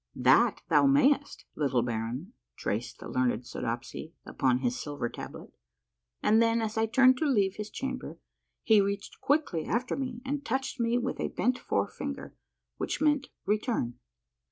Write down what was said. " That thou mayest, little baron," traced the learned Soodopsy upon his silver tablet ; and then as I turned to leave his cham ber he reached quickly after me and touched me with a bent forefinger, which meant return.